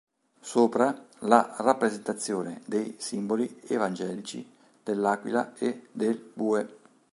Sopra la rappresentazione dei simboli evangelici dell'aquila e del bue.